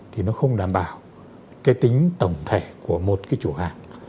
thì nó không đảm bảo cái tính tổng thể của một cái chủ hàng